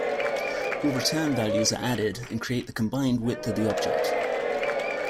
All return values are added and create the combined width of the object.